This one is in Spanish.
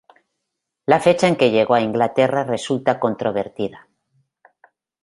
La fecha en que llegó a Inglaterra resulta controvertida.